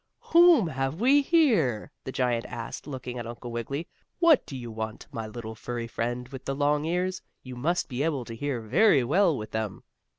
Whom have we here?" the giant asked, looking at Uncle Wiggily. "What do you want, my little furry friend with the long ears? You must be able to hear very well with them."